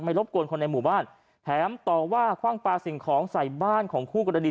รบกวนคนในหมู่บ้านแถมต่อว่าคว่างปลาสิ่งของใส่บ้านของคู่กรณี